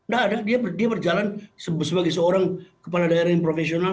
tidak ada dia berjalan sebagai seorang kepala daerah yang profesional